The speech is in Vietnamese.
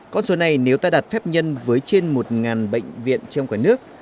con số này nếu ta đặt phép nhân với trên một bệnh viện trong quả nước